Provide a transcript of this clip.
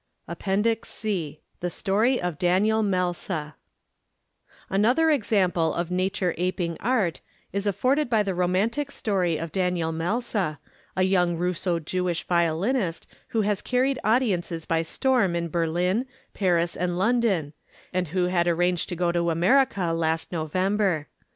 APPENDIX C THE STORY OF DANIEL MELSA Another example of Nature aping Art is afforded by the romantic story of Daniel Melsa, a young Russo Jewish violinist who has carried audiences by storm in Berlin, Paris and London, and who had arranged to go to America last November.